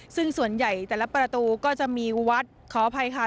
ซึ่งส่วนใหญ่แต่ละประตูก็จะมีวัดขออภัยค่ะ